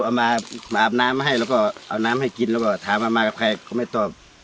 เอามาอาบน้ำให้แล้วก็เอาน้ำให้กินแล้วก็ถามว่ามากับใครเขาไม่ตอบ